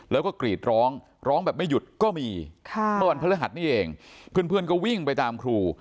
แล้วก็กรีดร้องร้องแบบไม่หยุดก็มีเมื่อวันพฤหัสนี่เองเพื่อนก็วิ่งไปตามครู